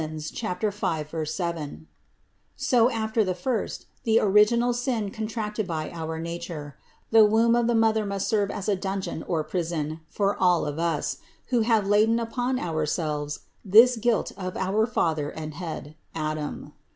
5, 7) ; so, after the first, the original sin contracted by our nature, the womb of the mother must serve as a dungeon or prison for all of us, who have laden upon ourselves this guilt of our father and head, Adam.